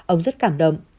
ông rất cảm động